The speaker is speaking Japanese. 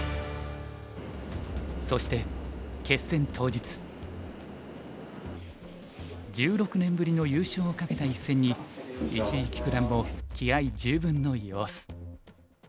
そして１６年ぶりの優勝をかけた一戦に一力九段も気合い十分の様子。